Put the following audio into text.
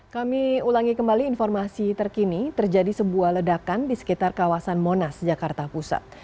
kami ulangi kembali informasi terkini terjadi sebuah ledakan di sekitar kawasan monas jakarta pusat